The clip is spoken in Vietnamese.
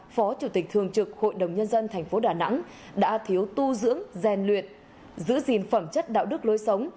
phó chủ tịch thường trực hội đồng nhân dân tp đà nẵng đã thiếu tu dưỡng rèn luyện giữ gìn phẩm chất đạo đức lối sống